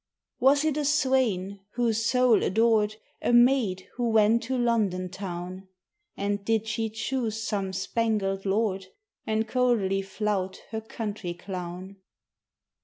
Was it a swain whose soul adored A maid who went to London town? And did she choose some spangled lord And coldly flout her country clown?